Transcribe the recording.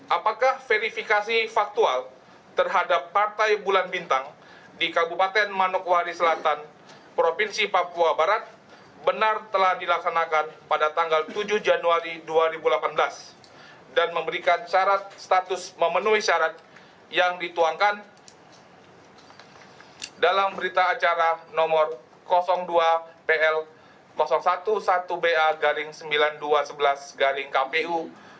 satu apakah verifikasi faktual terhadap partai bulan bintang di kabupaten manokwari selatan provinsi papua barat benar telah dilaksanakan pada tanggal tujuh januari dua ribu delapan belas dan memberikan syarat status memenuhi syarat yang dituangkan dalam berita acara nomor dua pl satu satu ba garing sembilan ribu dua ratus sebelas garing kpu